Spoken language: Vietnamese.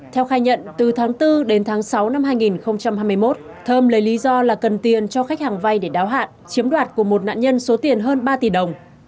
theo khai nhận từ tháng bốn đến tháng sáu năm hai nghìn hai mươi một thơm lấy lý do là cần tiền cho khách hàng vay để đáo hạn chiếm đoạt của một nạn nhân số tiền hơn ba tỷ đồng